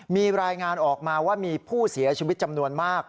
มีรายงานออกมาว่ามีผู้เสียชีวิตจำนวนมาก